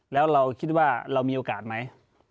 แล้วเราคิดว่าเรามีโอกาสไหม